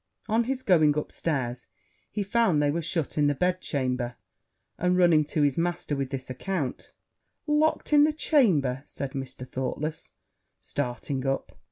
On his going up stairs, he found they were shut in the bed chamber; and, running to his master with this account, 'Locked in the chamber!' said Mr. Thoughtless, starting up.